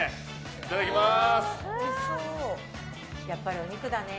いただきます。